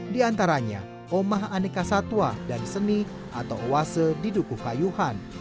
di antaranya omah aneka satwa dan seni atau oase di dukuh kayuhan